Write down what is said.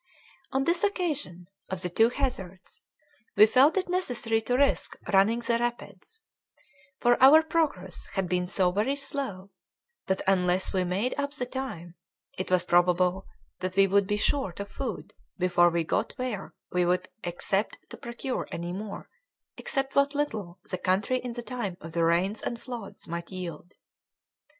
On this occasion, of the two hazards, we felt it necessary to risk running the rapids; for our progress had been so very slow that unless we made up the time, it was probable that we would be short of food before we got where we could expect to procure any more except what little the country in the time of the rains and floods, might yield.